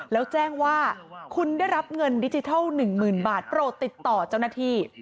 แล้วแจ้งว่าคุณได้รับเงินดิจิทัล๑๐๐๐บาทโปรดติดต่อเจ้าหน้าที่